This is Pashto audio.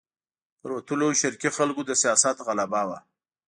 پر وتلیو شرقي خلکو د سیاست غلبه وه.